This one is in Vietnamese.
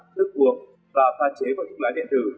nước cuồng và pha chế vào thuốc lá điện tử